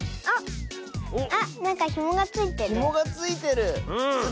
あっあっなんかひもがついてる。